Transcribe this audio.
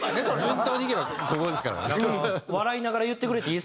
順当にいけばここですから。